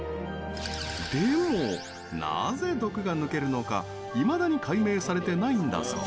でも、なぜ毒が抜けるのかいまだに解明されてないんだそう。